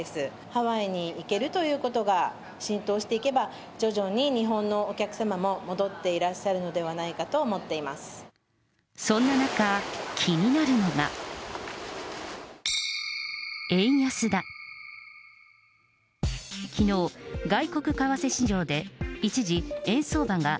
ハワイに行けるということが浸透していけば、徐々に日本のお客様も戻っていらっしゃるのではないかと思っていそんな中、気になるのが。